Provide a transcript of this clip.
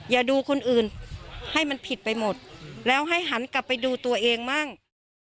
อย่าดูคนอื่นให้มันผิดไปหมดแล้วให้หันกลับไปดูตัวเองมั่ง